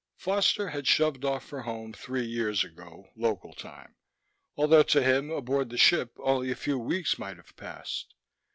Foster had shoved off for home three years ago, local time, although to him, aboard the ship, only a few weeks might have passed.